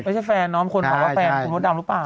ไม่ใช่แฟนน้องควรขอว่าแฟนคุณมดดำหรือเปล่า